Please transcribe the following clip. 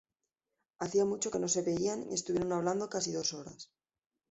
Hacía mucho que no se veían y estuvieron hablando casi dos horas.